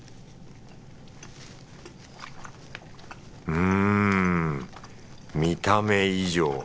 うん見た目以上。